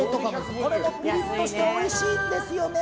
これもピリッとしておいしいんですよね。